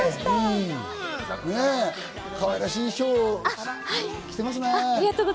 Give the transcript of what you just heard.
かわいらしい衣装を着ていますね。